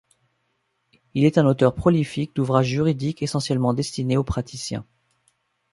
Il est un auteur prolifique d'ouvrages juridiques essentiellement destinés aux praticiens.